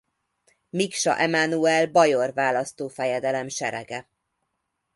Miksa Emánuel bajor választófejedelem serege.